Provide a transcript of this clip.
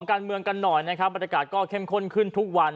การเมืองกันหน่อยนะครับบรรยากาศก็เข้มข้นขึ้นทุกวัน